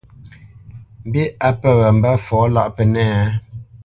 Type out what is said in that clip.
Mbî á pə̂ wǎ mbə́ fɔ lâʼ Pənɛ́a a ?